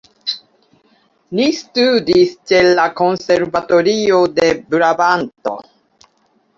Li studis ĉe la konservatorio de Brabanto.